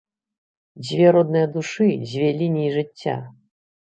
Дзве родныя душы, дзве лініі жыцця.